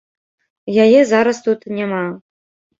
Яе зараз тут няма.